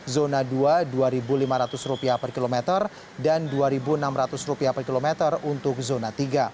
zona dua rp dua rp dua lima ratus per kilometer dan rp dua enam ratus per kilometer untuk zona tiga